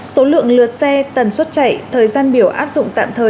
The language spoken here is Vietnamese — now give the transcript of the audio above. số lượng lượt xe tần suất chạy thời gian biểu áp dụng tạm thời